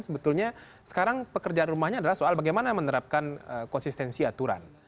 sebetulnya sekarang pekerjaan rumahnya adalah soal bagaimana menerapkan konsistensi aturan